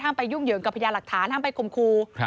ไปยุ่งเหยิงกับพญาหลักฐานห้ามไปคมครู